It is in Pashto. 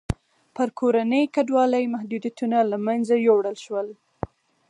پر کورنۍ کډوالۍ محدودیتونه له منځه یووړل شول.